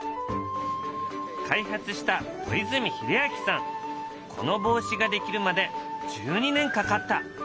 開発したこの帽子が出来るまで１２年かかった。